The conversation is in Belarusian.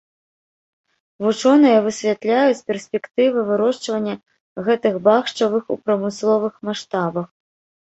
Вучоныя высвятляюць перспектывы вырошчвання гэтых бахчавых у прамысловых маштабах.